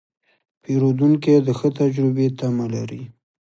پیرودونکی د ښه تجربې تمه لري.